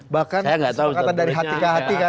bahkan kesepakatan dari hati ke hati kan